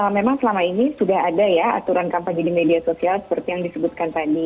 memang selama ini sudah ada ya aturan kampanye di media sosial seperti yang disebutkan tadi